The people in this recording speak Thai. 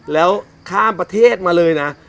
แล้วข้ามประเทศนะ